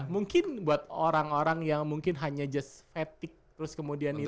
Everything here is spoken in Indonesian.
mungkin buat orang orang yang mungkin hanya just fatigue terus kemudian itu